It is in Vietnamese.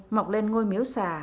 mọc lên ngôi miếu xà